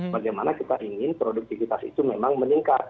bagaimana kita ingin produktivitas itu memang meningkat